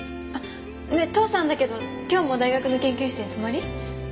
ねえ父さんだけど今日も大学の研究室に泊まり？